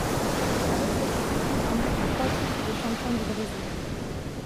Avec cette équipe, il remporte trois titres de Champion du Brésil.